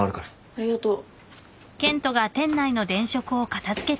ありがとう。